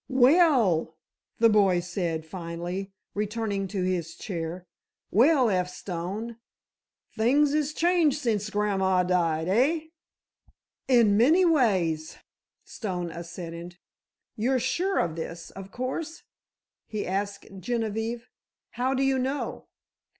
"Well!" the boy said, finally, returning to his chair. "Well, F. Stone, things is changed since gran'ma died! Hey?" "In many ways!" Stone assented. "You're sure of this, of course?" he asked Genevieve. "How do you know?"